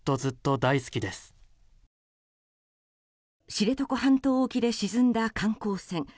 知床半島沖で沈んだ観光船